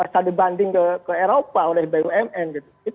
terbanding ke eropa oleh bumn gitu